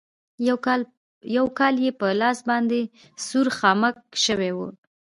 پر کالو يې په لاس باندې سور خامک شوی و.